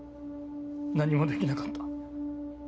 何もできなかった。